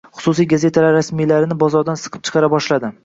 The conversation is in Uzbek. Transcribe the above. Xususiy gazetalar rasmiylarini bozordan siqib chiqara boshladi.